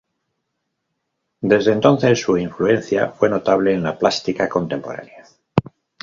Desde entonces su influencia fue notable en la plástica contemporánea.